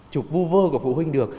chụp vu vơ của phụ huynh được